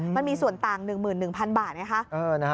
มันมีส่วนต่าง๑๑๐๐๐บาทเนี่ยค่ะ